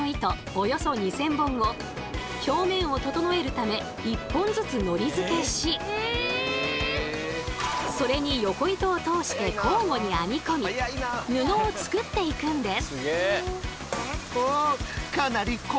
およそ２，０００本を表面を整えるため１本ずつ糊づけしそれに横糸を通して交互に編みこみ布を作っていくんです。